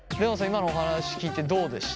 今のお話聞いてどうでした？